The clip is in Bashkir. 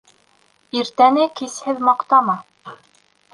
Иртәне кисһеҙ маҡтама.